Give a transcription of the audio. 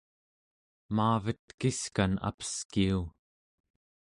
maavet tekiskan apeskiu